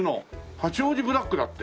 「八王子ブラック」だって。